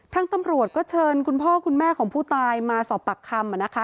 ทางตำรวจก็เชิญคุณพ่อคุณแม่ของผู้ตายมาสอบปากคำนะคะ